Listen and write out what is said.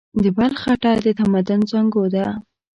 د بلخ خټه د تمدن زانګو ده.